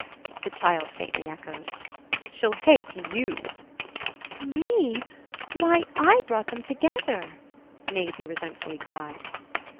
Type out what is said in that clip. the child faintly echoed. "She'll hate YOU." "Me? Why, I brought them together!" Maisie resentfully cried.